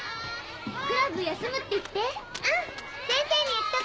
クラブ休むって言って。